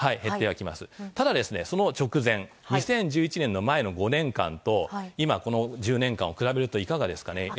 ただ、その直前、２０１１年の前の５年間と、今、この１０年間を比べるといかがですかね。